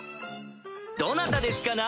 どなたですかな？